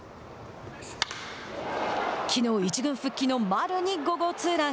きのう１軍復帰の丸に５号ツーラン。